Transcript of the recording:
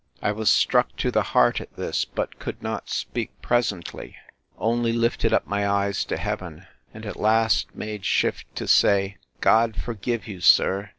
I was struck to the heart at this; but could not speak presently; only lifted up my eyes to heaven!—And at last made shift to say—God forgive you, sir!